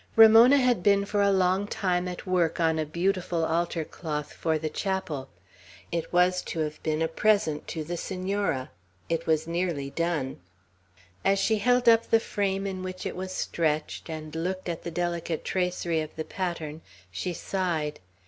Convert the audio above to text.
Ramona had been for a long time at work on a beautiful altar cloth for the chapel. It was to have been a present to the Senora. It was nearly done. As she held up the frame in which it was stretched, and looked at the delicate tracery of the pattern, she sighed.